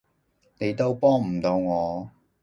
你都幫唔到我